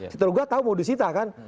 situ juga tahu mudisita kan